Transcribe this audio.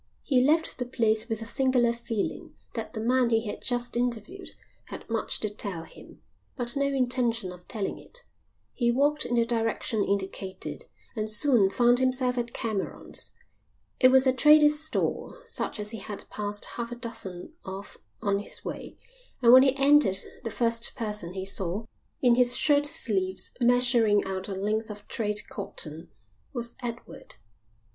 He left the place with a singular feeling that the man he had just interviewed had much to tell him, but no intention of telling it. He walked in the direction indicated and soon found himself at Cameron's. It was a trader's store, such as he had passed half a dozen of on his way, and when he entered the first person he saw, in his shirt sleeves, measuring out a length of trade cotton, was Edward.